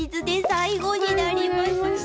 最後になりましたね。